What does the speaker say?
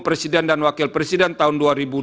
presiden dan wakil presiden tahun dua ribu dua puluh